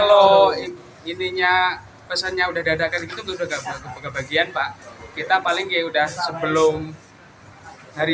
kalau ininya pesannya udah dadakan gitu udah enggak bagian pak kita paling ya udah sebelum hari